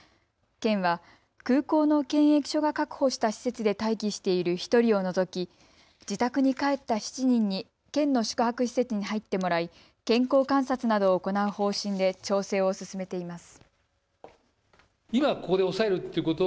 県は空港の検疫所が確保した施設で待機している１人を除き自宅に帰った７人に県の宿泊施設に入ってもらい健康観察などを行う方針で調整を進めています。